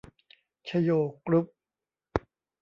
ชโย กรุ๊ป